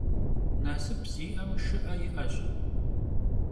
Nasıp zi'em şşı'e yi'eş.